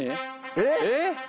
えっ？